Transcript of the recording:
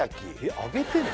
揚げてんの？